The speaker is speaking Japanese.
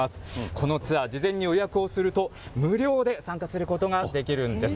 このツアー、事前に予約をすると、無料で参加することができるんです。